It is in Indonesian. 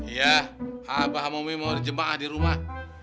iya abah sama umi mau di jemaah di rumah